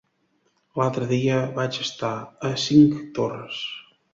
L'altre dia vaig estar a Cinctorres.